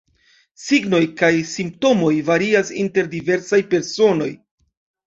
Signoj kaj simptomoj varias inter diversaj personoj.